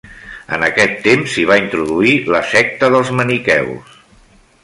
En aquest temps, s'hi va introduir la secta dels maniqueus.